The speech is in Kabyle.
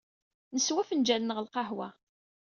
Neswa afenǧal-nneɣ n lqahwa.